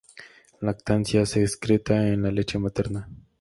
Lactancia: se excreta en la leche materna.